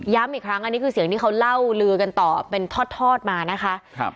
อีกครั้งอันนี้คือเสียงที่เขาเล่าลือกันต่อเป็นทอดมานะคะ